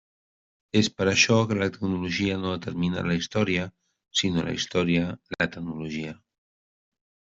És per això que la tecnologia no determina la història, sinó la història la tecnologia.